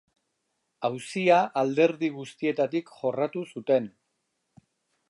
Auzia alderdi guztietatik jorratu zuten.